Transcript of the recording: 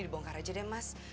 dibongkar aja deh mas